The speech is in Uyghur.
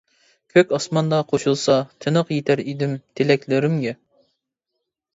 كۆك ئاسماندا قوشۇلسا تىنىق يىتەر ئىدىم تىلەكلىرىمگە.